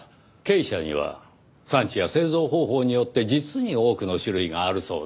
珪砂には産地や製造方法によって実に多くの種類があるそうです。